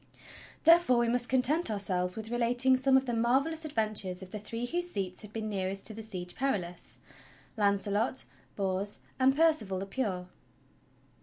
Therefore we must content ourselves with relating some of the marvelous adventures of the three whose seats had been nearest to the Siege Perilous — Launcelot, Bors, and Percival the Pure.